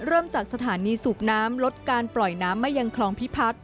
เริ่มจากสถานีสูบน้ำลดการปล่อยน้ำมายังคลองพิพัฒน์